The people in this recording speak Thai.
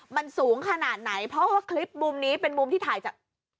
มันสูงขนาดไหนเพราะว่าคลิปมุมนี้เป็นมุมที่ถ่ายจาก